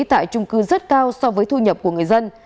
tại trung cư rất cao so với thu nhập của người dân